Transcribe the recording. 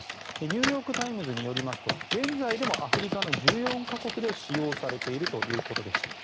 ニューヨーク・タイムズによりますと現在でもアフリカの１４か国で使用されているということでした。